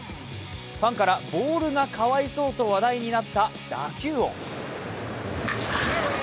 ファンからボールがかわいそうと話題になった打球音。